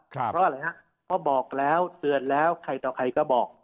เพราะอะไรฮะเพราะบอกแล้วเตือนแล้วใครต่อใครก็บอก